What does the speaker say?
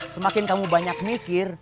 semakin kamu banyak mikir